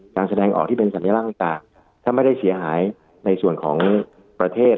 แสดงออกที่เป็นสัญลักษณ์ต่างถ้าไม่ได้เสียหายในส่วนของประเทศ